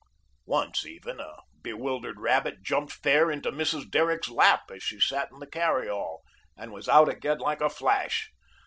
Once even, a bewildered rabbit jumped fair into Mrs. Derrick's lap as she sat in the carry all, and was out again like a flash.